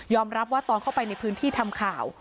รับว่าตอนเข้าไปในพื้นที่ทำข่าว